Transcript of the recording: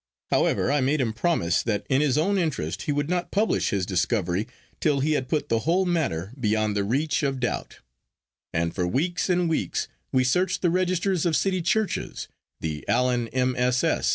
However, I made him promise that in his own interest he would not publish his discovery till he had put the whole matter beyond the reach of doubt; and for weeks and weeks we searched the registers of City churches, the Alleyn MSS.